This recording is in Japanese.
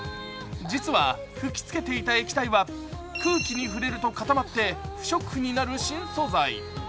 実は吹きつけていた液体は空気に触れると固まって不織布になる新素材。